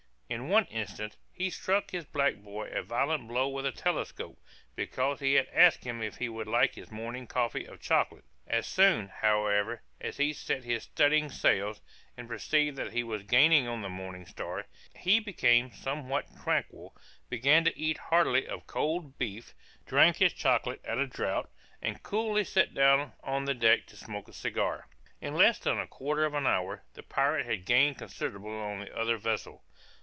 In one instance, he struck his black boy a violent blow with a telescope, because he asked him if he would have his morning cup of chocolate; as soon, however, as he set his studding sails, and perceived that he was gaining on the Morning Star, he became somewhat tranquil, began to eat heartily of cold beef, drank his chocolate at a draught, and coolly sat down on the deck to smoke a cigar. In less than a quarter of an hour, the pirate had gained considerable on the other vessel.